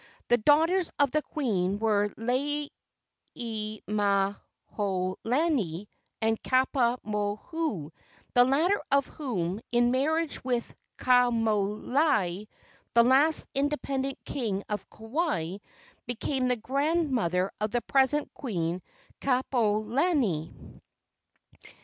The daughters of the queen were Lelemahoalani and Kapuaamohu, the latter of whom, in marriage with Kaumualii, the last independent king of Kauai, became the grandmother of the present queen, Kapiolani.